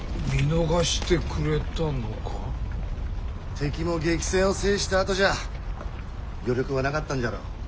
敵も激戦を制したあとじゃ余力はなかったんじゃろう。